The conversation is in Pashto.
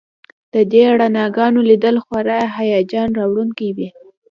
د دې رڼاګانو لیدل خورا هیجان راوړونکي وي